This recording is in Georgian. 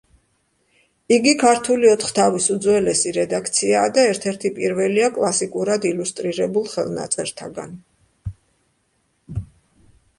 იგი ქართული ოთხთავის უძველესი რედაქციაა და ერთ-ერთი პირველია კლასიკურად ილუსტრირებულ ხელნაწერთაგან.